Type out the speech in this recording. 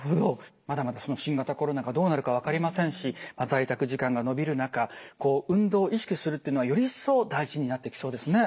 まだまだ新型コロナがどうなるか分かりませんし在宅時間が延びる中こう運動を意識するっていうのはより一層大事になってきそうですね。